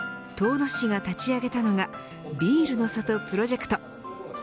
遠野市が立ち上げたのがビールの里プロジェクト。